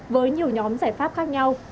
với nhiều nhóm giải pháp khác nhau